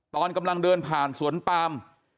ตอนกำลังเดินผ่านสวนปาม